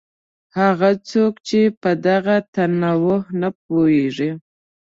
هغه څوک چې په دغه تنوع نه پوهېږي.